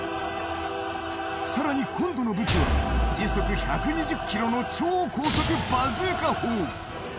更に今度の武器は時速１２０ｋｍの超高速バズーカ砲。